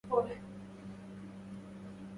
نجا يونس في اللجة من حاوية الحوت